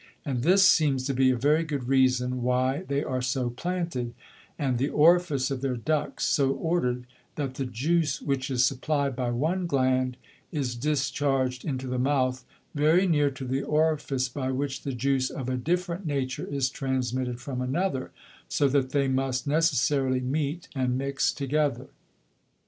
And this seems to be a very good Reason, why they are so planted, and the Orifice of their Ducts so order'd, that the Juice, which is supply'd by one Gland, is discharg'd into the Mouth, very near to the Orifice, by which the Juice of a different Nature is transmitted from another, so that they must necessarily meet and mix together.